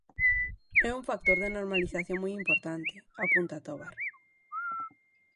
É un factor de normalización moi importante, apunta Tobar.